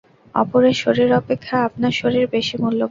অপরের শরীর অপেক্ষা আপনার শরীর বেশী মূল্যবান নয়।